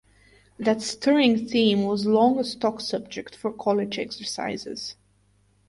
That stirring theme was long a stock subject for College exercises.